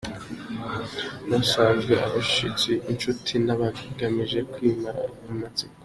Abasanzwe – Abashyitsi, Inshuti, n’abagamije kwimara amatsiko.